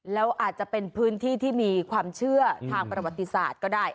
แล้วอาจจะเป็นพื้นที่ที่มีความเชื่อทางประวัติศาสตร์ก็ได้